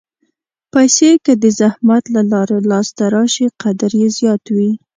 پېسې که د زحمت له لارې لاسته راشي، قدر یې زیات وي.